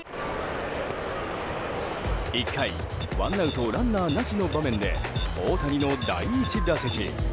１回ワンアウトランナーなしの場面で大谷の第１打席。